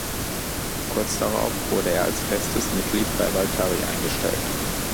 Kurz darauf wurde er als festes Mitglied bei Waltari eingestellt.